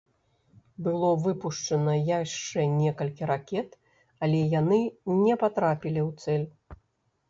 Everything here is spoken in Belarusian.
Было выпушчана яшчэ некалькі ракет, але яны не патрапілі ў цэль.